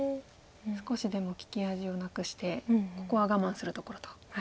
少しでも利き味をなくしてここは我慢するところと。